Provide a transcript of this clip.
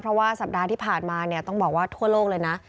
เพราะว่าสัปดาห์ที่ผ่านมาเนี่ยต้องบอกว่าทั่วโลกเลยนะ